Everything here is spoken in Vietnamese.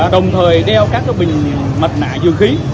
đồng thời đeo các bình mặt nạ dường khí